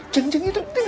ceng ceng itu ngapain tuh